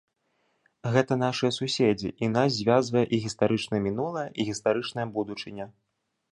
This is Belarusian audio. Гэта нашыя суседзі, і нас звязвае і гістарычнае мінулае, і гістарычная будучыня.